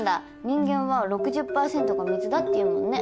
人間は６０％が水だっていうもんね。